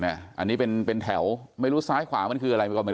เนี่ยอันนี้เป็นแถวไม่รู้ซ้ายขวามันคืออะไร